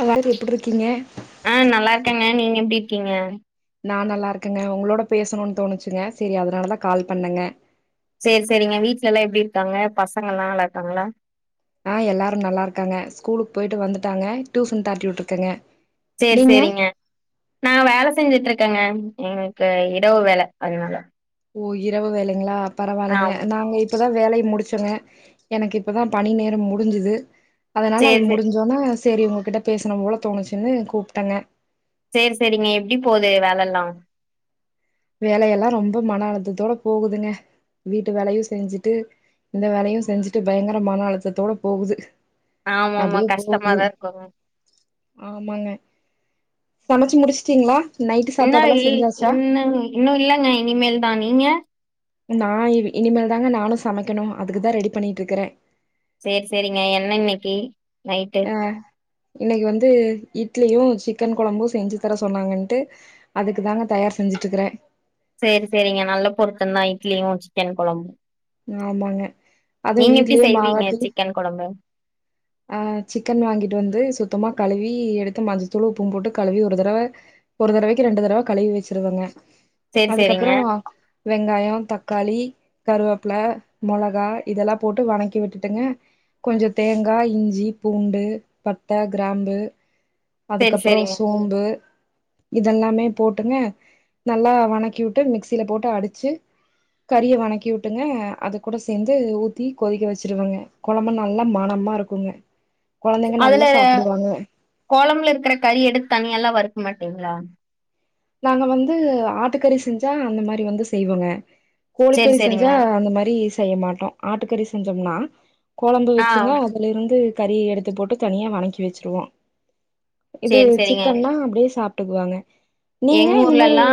[unintelligible] எப்டி இருக்கீங்க ஆ நல்லா இருக்காங்க நீங்க எப்டி இருக்கீங்க நா நல்லா இருக்கேங்க உங்களோட பேசணுனு தோணுச்சுங்க சேரி அதனாலதா கால் பண்ணுங்க சேரி சேரிங்க வீட்ல எல்லா எப்டி இருக்காங்க பசங்க எல்லா நல்லா இருக்காங்களா ஆ எல்லாரும் நல்லா இருக்காங்க ஸ்கூலுக்கு போயிட்டு வந்துட்டாங்க டியூசஷன் தாட்டி விட்டு இருக்கங்க சேரி சேரிங்க நா வேலை செஞ்சுட்டு இருக் க்கங்க எங்களுக்கு இரவு வேல அதனால ஓ இரவு வேலைங்களா பரவாயில்ங்க ஆமா நாங்க இப்ப தா வேலைய முடிச்சங்க எனக்கு இப்பதா பணி நேரம் முடிஞ்சுது அதனால அது சேரி சேரி முடிஞ்சோனா சேரி உங்ககிட்ட பேசனு போல தோணுச்சுன்னு கூப்பிட்டங்க சேரி சேரிங்க எப்டி போது வேலைல்லா வேலையெல்லாம் ரொம்ப மன அழுத்தத்தோட போகுதுங்க வீட்டு வேலையு செஞ்சுட்டு இந்த வேலையு செஞ்சுட்டு பயங்கர மன அழுத்தத்தோட போகுது ஆமா ஆமா அப்டியே போகுது கஷ்டமாதா இருக்குங்க ஆமாங்க சமைச்சு முடிச்சிட்டீங்களா என்ன லீ இன்ன லீ இன்னு இல்லங்க இனிமேல் தா நீங்க நா இனிமேல் தாங்க நானும் சமைக்கணும் அதுக்குதா ரெடி பண்ணிட்டு இருக்கறே சேரி சேரிங்க என்ன இன்னைக்கு நைட்டு அ இன்னைக்கு வந்து இட்லியு சிக்கன் கொழம்பும் செஞ்சு தர சொன்னாங்கன்ட்டு அதுக்கு தாங்க தயார் செஞ்சுட்டு இருக்கற சேரி சேரிங்க நல்ல பொருத்தமந்தா இட்லியு சிக்கன் குழம்பு ஆமாங்க அதுவு வீட்லயே செய்வீங்க மாவாட்டி சிக்கன் கொழம்பு ஆஹ் சிக்கன் வாங்கிட்டு வந்து சுத்தமா கழுவி எடுத்து மஞ்சத்தூள் உப்பும் போட்டு கழுவி ஒரு தடவை ஒரு தடவைக்கு ரெண்டு தடவ கழுவி வெச்சிருவங்க சேரி சேரிங்க அதுக்கப்புறோ வெங்காயோ தக்காளி கருவேப்பில மொளகா இதெல்லாம் போட்டு வணக்கி விட்டுட்டுங்க கொஞ்சோ தேங் கா இஞ்சி பூண்டு பட்ட கிராம்பு சேரி அதுக்கப்புறௌ சேரிங்க சோம்பு இதெல்லாமே போட்டுங்க நல்லா வணக்கி விட்டு மிக்சியில போட்டு அடிச்சு கறிய வணக்கி விட்டுங்க அது கூட சேந்து ஊத்தி கொதிக்க வெச்சிருவங்க கொழம்பு நல்லா மனமா இருக் குங்க. அதுல கொழம்புல இருக்கிற கறி எடுத்து தனியா எல்லா வறு க்க மாட்டீங்ளா. நாங்க வந்து ஆட்டுக்கறி செஞ்சா அந்த மாரி வந்து செய்வங்க சேரி கோழிக்கறி செஞ்சா சேரிங்க அந்த மாரி செ செய்ய மாட்டோ ஆட்டுக்கறி செஞ்சோம்னா கொழம்பு ஆ வெச்சுங்க அதுல இருந்து கறிய எடுத்து போட்டு தனியா வணக்கி வெச்சிருவோ. இது சேரி சேரிங்க சிக்கன்னா அப்படியே சாப் பிட்டுக்குவாங்க எங்க ஊர்ல எல்லா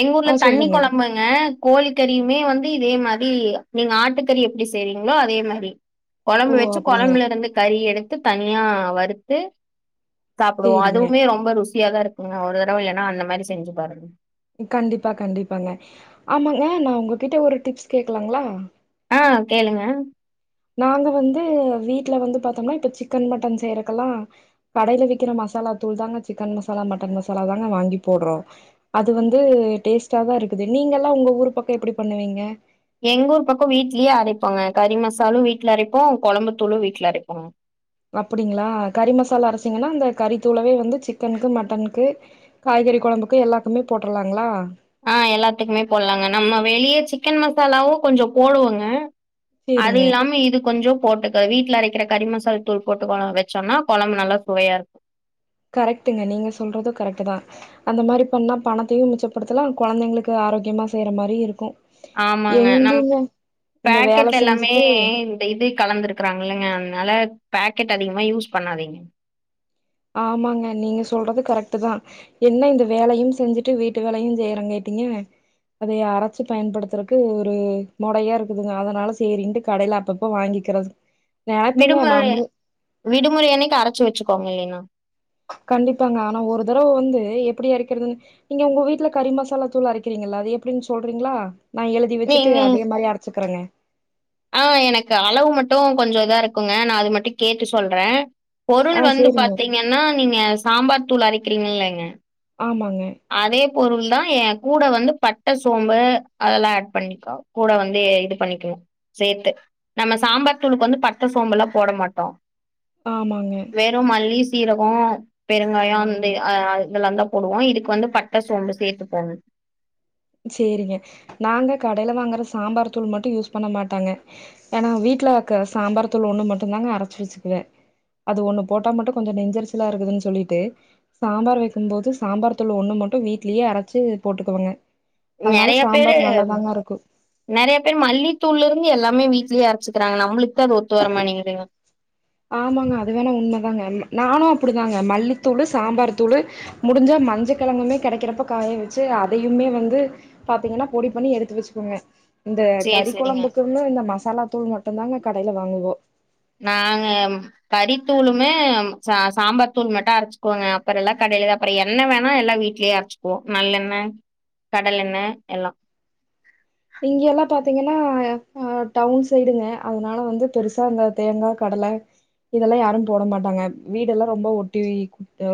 எங்க ஊர்ல ஆ தண்ணி சொல்லுங்க கொழம்புங்க கோழிக்கறியுமே வந்து இதே மாரி டி நீங்க ஆட்டுக்கறி எப்படி செய்றீங்களோ அதே மாரி ஓ கொழம்பு வச்சு அப்டிங்க கொழம்புல இருந்து கறி எடுத்து தனியா வறுத் து சாப்டுவோ சேரிங்க அதுவுமே ரொம்ப ருசியாதா இருக்கு வேனா ஒரு த டவ ஏனா அந்த மாரி செஞ்சு பாருங்க கண்டிப்பா கண்டிப்பாங்க ஆமாங்க நா உங்ககிட்ட ஒரு டிப்ஸ் கேக்கலாங்களா ஆ கேளுங்க நாங்க வந்து வீட்ல வந்து பாத்தோம்னா இப்ப சிக்கன் மட்டன் செய்யறக்கெல்லா கடைல விக்கிற மசாலா தூள் தாங்க சிக்கன் மசாலா மட்டன் மசாலா தாங்க வாங்கி போடுறோ அது வந்து டேஸ்டாதா இருக்குது நீங்க எல்லா உங்க ஊர் பக்கோ எப்படி பண்ணுவீங்க எங்க ஊர் பக்கோ வீட்லயே அரைப்போங்க கறி மசாலு வீட்ல அரைப்போ கொழம்புத்தூளு வீட்ல அரைப்போ அப்படிங்களா கறி மசாலா அரச்சிங்கன்னா அந்த கறித்தூளவே வந்து சிக்கனுக்கு மட்டனுக்கு காய்கறி கொழம்புக்கு எல்லாக்குமே போட்டுருலாங்களா ஆ எல்லாத்துக்குமே போலாங்க நம்ம வெளிய சிக்கன் மசாலாவு கொஞ்சோ போடுவங்க சேரிங்க அது இல்லாம இது கொஞ்சோ போட்டுக்க வீட் வீட்ல அரைக்கிற கரிமசாலா தூள் போட்டு கோழம்பு வெச்சோம்னா கொழம்பு நல்லா சுவையா இருக்கு கரெக்ட்டுங்க நீங்க சொல்றது கரெக்ட்தா அந்த மாரி பண்ணா பணத்தையு மிச்சப்படுத்தலா கொழந்தைங்களுக்கு ஆரோக்கியமா செய்யற மாரி இருக்கு ஆமாங்க நம் எங்கங்க இந்த வேல பேக்கெட்ல எல்லாமே செஞ்சுட்டு இந்த இது கலந்து இருக்கிறாங்கல்லங்க அதனால பே க்கெட் அதிகமா யூஸ் பண்ணாதீங்க ஆமாங்க நீங்க சொல்றது கரெக்ட்டுதா என்ன இந்த வேலையும் செஞ்சுட்டு வீட்டு வேலையும் செய்யறகாங்கிட்டீங்க அதைய அரச்சு பயன்படுத்துறக்கு ஒரு மொடயா இருக்குதுங்க அதனால சேரின்ட்டு கடையில அப்பப்போ வாங்கிக்கிறது நெனப்பங்க விடுமுறைய நாமளு விடுமுறை அன்னைக்கு அரச்சு வச்சுக்கோங்க இல்லைனா கண்டிப்பாங்க ஆனா ஒரு தரவ வந்து எப்டி அரைக்றதுன் நீங்க உங்க வீட்ல கறி மசாலா தூள் அரைக்கிறிங்கள அது எப்டின்னு சொல்றிங்களா நா எழுதி வச்சுட்டு நீங்க அதே மாரி அரச்சுக்குறனே ஆ எனக்கு அளவு மட்டு கொஞ்சொ இதா இருக்குங்க நா அது மட்டு கேட்டு சொல்றே பொருள் ஆ வந்து சேரிங்க பாத்திங்கன்னா நீங்க சாம்பார் தூள் அரைக்றிங்கல்லே ம் ஆமாங்க பொருள்தா ஏ கூட வந்து பட்ட சோம்பு அதெல்லாஆட் பண்ணிக்கோ கூட வந்து இது பண்ணிக்கணு சேத்து நம்ம சாம்பார் தூளுக்கு வந்து பட்ட சோம்பெல்லா போட மாட்டோ ஆமாங்க சீரகோ பெருங்காயோ ஆமா, அந்த ஆமா. ஆ இதலாந்தா போடுவோ இதுக்கு வந்து பட்ட சோம்பு சேத்து போட்ணு சேரிங்க நாங்க கடைல வாங்குற சாம்பார் தூள் மட்டு யூஸ் பண்ண மாட்டாங்க ஏனா வீட்டுவக்க சாம்பார் தூள் ஒண்ணு மட்டுந்தாங்க அரச்சு வச்சுக்குவே அது ஒண்ணு போட்டா மட்டு கொஞ்சொ நெஞ்செரிச்சலா இருக்குதுன் சொல்லிட்டு சாம்பார் வெக்கும் போது சாம்பார் தூள் ஒண்ணு மட்டு வீட்லயே அரச்சு போட்டுக்குவங்க அதனால நெறையா பேரு சாம்பார் நல்லாதாங்க இருக்கும். நெறைய பேரு மல்லித்தூள்லருந்து எல்லாமே வீட் லயே அரச்சுக்றாங்க நம்ளுக் தாது ஒத்து வர மாட்டேங்குதுங்க ஆமாங்க அது வேணா உண்மதாங்க நானு அப்டிதாங்க மல்லித்தூளு சாம்பாருத்தூளு முடிஞ்சா மஞ்ச கெழங்குமே கெடைக்கிறப்ப காய வச்சு அதயுமே வந்து பாத்திங்கனா பொடி பண்ணி எடுத்து வச்சிக்குவங்க இந்த சேரி கறி சேரிங்க கொழம்புக்கும்மு இந்த மசாலா தூள் மட் மட்டுந்தாங்க கடைல வாங்குவோ நாங்க கறித்தூளுமே சா சாம்பார் தூள் மட்டு அரைச்சுக்குவோங்க அப்பற எல்லாம் கடைல தா அப்பற எண்ண வேணா எல்லா வீட்லயே அரச்சுக்குவோ நல்லெண்ண கடலெண்ண எல்லா இங்க எல்லா பாத்திங்கன்னா ஆஹ் டவுன் சைடுங்க அதனால வந்து பெருசா இந்த தேங்கா கடல இதெல்லா யாரு போட மாட்டாங்க வீடெல்லா ரொம்ப ஒட்டி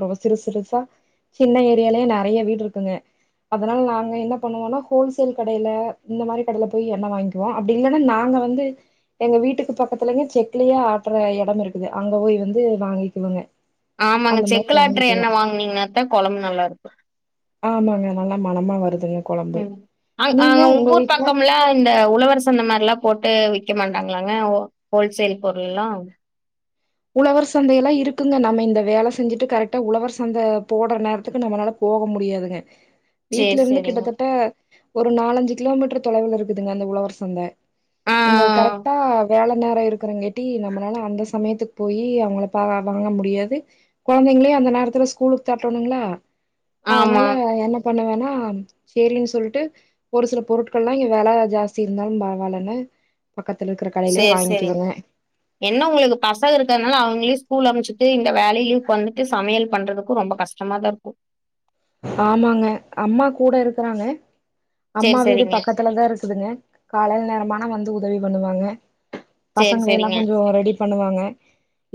ரொம்ப சிறுசிறுசா சின்ன ஏரியாலயே நெறய வீடு இருக்குங்க அதனால நாங்க என்ன பண்ணுவோனா ஹோல்சேல் கடைல இந்த மாறி கடைல போய் எண்ண வாய்ங்க்கிவோ அப்டி இல்லன்னா நாங்க வந்து எங்க வீட்டுக்கு பக்கத்துலைங்க செக்லயே ஆட்ற எடம் இருக்குது அங்க போய் வந்து வாங்கிக்குவங்க ஆமாங்க செக்குலாட்டுற எண்ண வாங்குனீங்கன்னாத்தா கொழம்பு நல்லாருக்கு ஆமாங்க நல்லா மனமா வருதுங்க கொழம்பு நீங்க உங்க உங்கூர் வீட்ல பக்கம்லா இந்த உழவர் சந்த மாறிலா போட்டு விக் விக்க மாட்டாங்ளாங்க ஓ ஹோல்சேல் பொருள்ல்லா உழவர் சந்தையெல்லா இருக்குங்க நம்ம இந்த வேல செஞ்சுட்டு கரெக்டா உழவர் சந்த போடுற நேரத்துக்கு நம்மளால போக முடியாதுங்க வீட்ல சேரி இருந்து சேரிங்க கிட்டதட்ட ஒரு நாலஞ்சு கிலோமீட்டர் தொலைவுல இருக்குதுங்க அந்த உழவர் சந்தை ஆ இந்த கரெக்டா வேல நேரொ இருக்கிறங்கே டி நம்மளால அந்த சமயத்துக் போயி அவங்கள பா அ வாங்க முடியாது கொழந்தைங்ளயு அந்த நேரத்துல ஸ்கூலுக்கு தட்டணுங்ளா ஆமா அதனால என்ன பண்ணுவன்னா சரின்னு சொல்லிட்டு ஒரு சில பொருட்கள்லா இங்க வெல ஜாஸ்தி இருந்தாலு பரவாலனு சேர் செரிங் என்ன உங்களுக்கு பசக இருக் இத்தன்னால அவுங்ளயு ஸ்கூல் அனுப்ச்சுட்டு இந்த வேலயு பண்ணிட்டு சமயல் பண்றதுக்கு ரொம்ப கஷ்டமாதா இருக்கு ஆமாங்க அம்மா கூட இருக்கறாங்க அம்மா சேரி வீடு சேரிங்க பக்கத்துலதான் இருக்குதுங்க காலயில நேரமானா வந் ந்து உதவி பண்ணுவாங்க சேரி பசங்கள எல்லா சேரிங்க கொஞ்சோ ரெடி பண்ணுவாங்க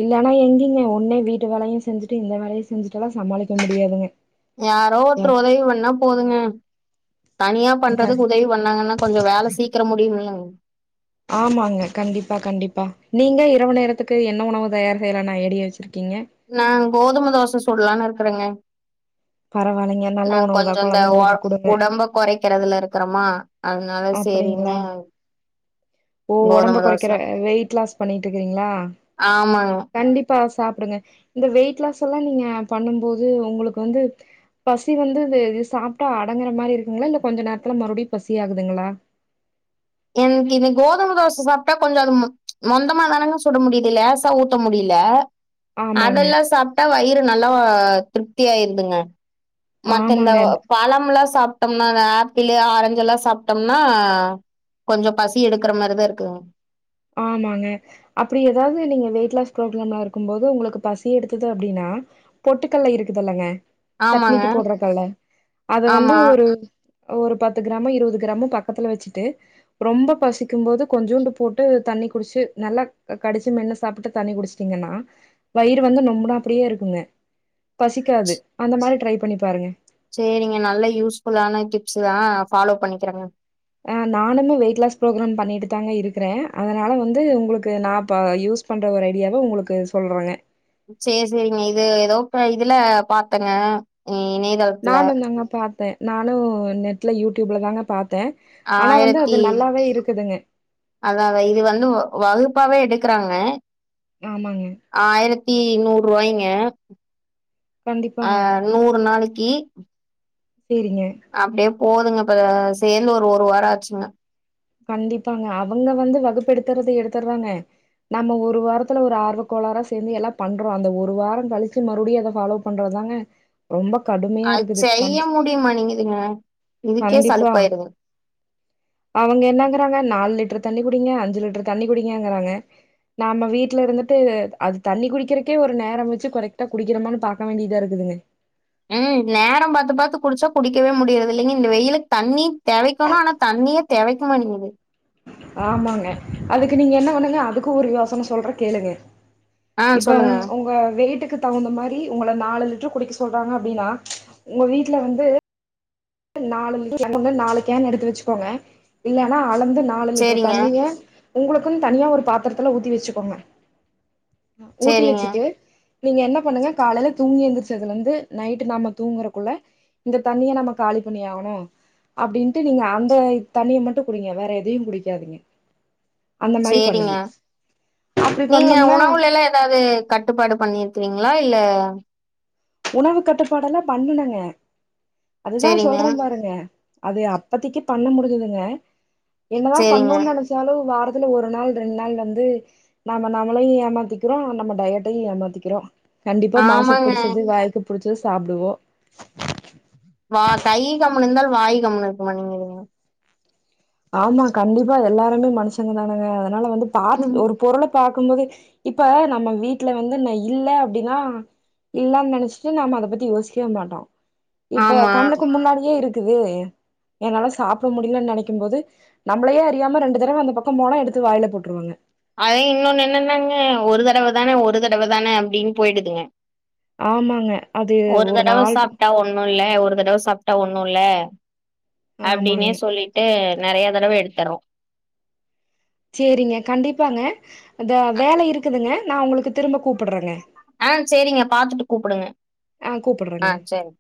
இல்லன்னா எங்கிங்க ஒன்னே வீட்டு வேலயு செஞ்சுட்டு இந்த வேலயு செஞ்சுட்டுல்லா சமாளிக்க முடியாதுங்க யாரோ ஒருத்தர் ஒதவி பண்ணா போதுங்க தனியா பண்றதுக்கு உதவி பண்ணாங்கன்னா கொஞ்சோ வேல சீக்கர முடியுமல்லங் [inaudible] ஆமாங்க கண்டிப்பா கண்டிப்பா நீங்க இரவு நேரத்துக்கு என்ன உணவு தயார் செய்யலானு ஐடியா வச்சிருக்கீ நா கோதும தோச சுடலானு இருக் கறங்க பரவாயில்லைங்க நல்ல நாங்க உணவுதா கொஞ்ச இந்த ஒ கொழந்தைங்களுக்கு குடுங்க உடம்ப கொறைக்கறதுல இருக்கறமா அப்பிடிங்களா ஓ ஒடம்ப கோதும தோச கொறக்கிற வெயிட் லாஸ் பண்ணிட்டு இருக்கிறீங்களா ஆமாங்க கண்டிப்பா சாப் ங்க இந்த வெயிட் லாஸ்லா நீங்க பண்ணு போது உங்களுக்கு வந்து பசி வந்து வெ சாப்ட்டா அடங்குற மாரி இருக்குங்களா இல்ல கொஞ்ச நேரத்துல மறுபடியு பசி ஆகுது துங்களா எனக்கு இது கோதும தோச சாப்ட்டா கொஞ்ச அது ப்ச் மொந்தமா தானங்க சுட முடியுது லேசா ஊத்த முடிய்ல ஆமாங்க அதெல்லா சாப்ட்டா வயிறு நல் ல்லா திருப்தியாயிருதுங்க மத்த இந்த ஆமாங்க பழம்ல்லா சாப் ப்ட்டோம்னா அது ஆப்பிளு ஆரஞ்சு எல்லா சாப்ட்டோம்னாஹ் கொஞ்சோ பசி எடுக்கிற மாரிதா இருக்குங் ஆமாங்க அப்பிடி ஏதாவது நீங்க வெயிட் லாஸ் ப்ரோக்ளாமா இருக்கு போது உங்களுக்குப் பசி எடுத்தது அப்பிடின்னா பொட்டுக்கல்ல இருக்குதுல்லங்க ஆமாங்க சட்னிக்கு போட்றக்கல்ல அத வந்து ஆமா ஒரு ஒரு பத்து கிராமோ இருபது கிராமோ பக்கத்துல வச்சுட்டு ரொம்பப் பசிக்கும் போது கொஞ்சோண்டு பொட் ட்டு தண்ணி குடிச்சு நல்லா கடிச்சு மென்னு சாப்ட்டு தண்ணி குடிச்சிட்டீங்கன்னா வயிறு வந்து நொம்முனாப்பிடியே இருக்குங்க பசிக்காது அந்த மாரி ட்ரை பண்ணிப் பாருங்க சேரிங்க நல்ல யூஸ்ஃபுல்லான டிப்ஸு தா ஃபாலோ பண்ணிக்கறங்க ஆஹ் நானுமே வெயிட்லாஸ் ப்ரோக்ரா பண்ணிட்டு தாங்க இருக்குறே அதனால வந்து உங்களுக்கு நா ப யூஸ் பண்ற ஒரு ஐடியாவை உங்களுக்கு சொல்றேங்க சேரி சேரிங்க இது ஏதோ [unintelligible] இதுல பாத்தங்க இ இணையதளத்துல நானு தாங்க பாத்தே நானு நெட்ல யூடியூப்ல தாங்க பாத் ஆயிரத்தி இருக்குதுங்க அதாவ இது வந்து வகுப் ப்பாவே எடுக்கிறாங்க ஆமாங்க ஆயிரத்தி நூற்ரூவாய்ங் ய ஆ கண்டிப்பாங்க நூறு நாளைக்கி சேரிங்க போதுங்க இப்ப சேந்து ஒரு ஒரு வாரோ ஆச்சுங்க கண்டிப்பாங்க அவங்க வந்து வகுப்பு எடுத்துறத எடுத்துற்தாங்க நம்ம ஒரு வாரத்துல ஒரு ஆர்வக்கோளாறா சேந்து எல்லா பண்றோ அந்த ஒரு வாரோ கழிச்சு மறுடியூ அத ஃபாலோ பண்றதாங்க ரொம்பக் அது செய்ய முடியுமா மானிங்குதுங்க இதுக்கே சலிப்பாயிருது அவுங்க என்னங்கறாங்க நாலு லிட்டர் தண்ணி குடிங்க அஞ்சு லிட்டர் தண்ணி குடிங்கங்கறாங்க நாம வீட்டுலருந்துட்டு அது தண்ணி குடிக்கிறக்கே ஒரு நேரோ வச்சு கரெக்ட்டா குடிக்கிறோமானு பாக்க வேண்டியதாருக்குதுங்க ம் நேரோ பாத்து பாத்து குடிச்சா குடிக்கவே முடியிறது இல்லைங்க இந்த வெயிலுக்கு தண்ணி தெவக்கணத ஆனா தண்ணியே தெவக் க மானிங்குது ஆமாங்க அதுக்கு நீங்க என்ன பண்ணுங்க அதுக்கூ ஒரு யோசன சொல்றே கேளுங்க ஆ இப்ப சொல்லுங்க உங் உங்க வெய்ட்டுக்குத் தகுந்த மாரி உங்கள நாலு லிட்டர் குடிக்க சொல்றாங்க அப்டின்னா உங்க வீட்ல வந்து நாலு [inaudible] நாலு கேன் எடுத்து வச்சுக்கோங்க இல்லேன்னா கலந்து நாலு லிட்டர் சேரிங்க தண்ணிய உங்ளுக்குன் தனியா ஒரு பாத்ரத்துல ஊத்தி வச்சுக்கோங்க ஊத்தி சேரிங்க வச்சிட்டு நீங்க என்ன பண்ணுங்க காலைல தூங்கி எந்திரச்சதுலந்து நைட்டு நம்ம தூங்குறக்குள்ள இந்த தண்ணிய நம்ம காலி பண்ணி ஆவ்ணு அப்டின்ட்டு நீங்க அந்த தண்ணிய மட்டு குடிங்க வேற எதையு குடிக்காதீங்க அந்த மாரி சேரிங்க பண்ணுங்க அப்டி நீங்க பண்ணோம்னா உணவுலல்லா ஏதாவது கட்டுப்பாடு பண்ணிருக்றீங் லா இல்ல உணவு கட்டுப்பாடல்லா பண்ணுனங்க அதுதா சரிங்க, சொல்றே பாருங்க அது அப்பத்தைக்கு பண்ண முடிஞ்சுதுங்க என்னதா சரிங்க. பண்ணூ நெனைச்சாலு வார துல ஒரு நாள் ரெண்ட் நாள் வந்து நாமே நம்மளையூ ஏமாத்திக்றோ நம்ம டயட்டையூ ஏமாத்திக்றோ கண்டிப்பா மனசுக் ஆமாங்க. புடிச் இது வாய்க்குப் புடிச்சத சாப்டுவோ வா கை கம்முன் இருந்தாலு வாய் கம்முனு இருக்க மாடேங்குதுங்க ஆமா கண்டிப்பா எல்லாருமே மனுஷங்க தானுங்க அதனால வந்து பாத் ஒரு பொருள பாத் க்கும் போது இப்ப நம்ம வீட்ல வந்து நா இல்ல அப்டின்னா இல்லேன் நெனச்சிட்டு நம்ம அத பத்தி யோசிக்கவே மாட்டோ இப்ப ஆமா. கண்ணுக்கு முன்னாடியே இருக் க்குது என்னால சாப்ட முடில நெனைக் க்கும் போது நம்மளயே அறியாம ரெண்டு தடவ அந்த பக்கோ போனா எடுத்து வாயில போட்ருவங்க அதே இன்னொன்னு என்னன்னாங்க ஒரு தடவ தான ஒரு தடவ தான அப்டின்னு போயிடுதுங்க ஆமாங்க அது ஒரு தடவ நாள் சாப்ட்டா ஒண்ணுல்ல ஒரு தடவ சாப் ட்டா ஒண்ணுல்ல அப்டின்னே ஆமாங்க சொல்லிட்டு நெறயா தடவ எடுத்தர்ரோ சேரிங்க கண்டிப்பாங்க இந்த வேல இருக்குதுங்க நா உங்ளுக்கு திரும்ப கூப்புடுறங்க ஆ சேரிங்க பாத்துட்டு கூப்புடுங்க ஆ கூப்புடுறேங்க. ஆ சேரி